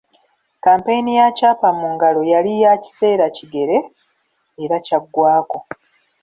Kkampeyini ya Kyapa Mu Ngalo yali ya kiseera kigere era kyaggwako.